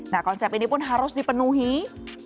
nah konsep ini pun harus dipenuhi oleh para penyelenggara wisata